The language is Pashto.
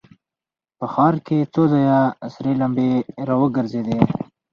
په ښار کې څو ځایه سرې لمبې را وګرځېدې.